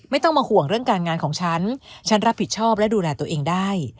ไม่ต้องมาห่วงเรื่องการงานของฉันฉันรับผิดชอบและดูแลตัวเองได้